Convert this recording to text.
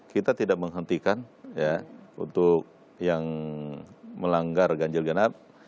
kita tidak menghentikan untuk yang melanggar ganjil genap